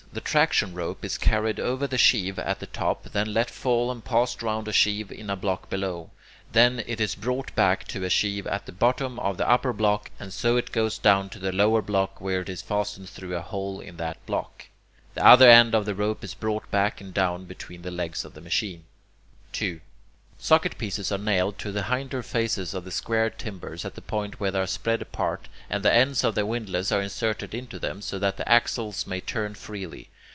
The traction rope is carried over the sheave at the top, then let fall and passed round a sheave in a block below. Then it is brought back to a sheave at the bottom of the upper block, and so it goes down to the lower block, where it is fastened through a hole in that block. The other end of the rope is brought back and down between the legs of the machine. 2. Socket pieces are nailed to the hinder faces of the squared timbers at the point where they are spread apart, and the ends of the windlass are inserted into them so that the axles may turn freely.